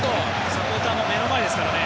サポーターの目の前ですからね。